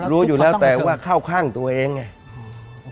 รู้อยู่แล้วแต่ว่าเข้าข้างตัวเองไง